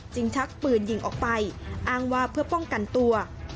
ชักปืนยิงออกไปอ้างว่าเพื่อป้องกันตัว